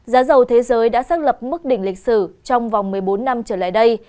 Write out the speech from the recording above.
giá dầu thế giới đã xác lập mức đỉnh lịch sử trong vòng một mươi bốn năm trở lại đây